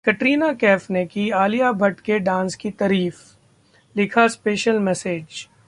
कटरीना कैफ ने की आलिया भट्ट के डांस की तारीफ, लिखा स्पेशल मैसेज